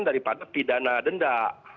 daripada pidana denda